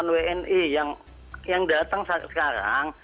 satu ratus delapan puluh delapan wni yang datang saat sekarang